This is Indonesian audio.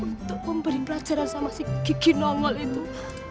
untuk memberi pelajaran sama si gigi nono itu